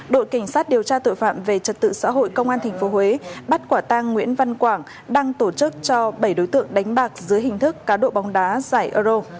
đội cảnh sát điều tra tội phạm về trật tự xã hội công an tp huế bắt quả tang nguyễn văn quảng đang tổ chức cho bảy đối tượng đánh bạc dưới hình thức cá độ bóng đá giải euro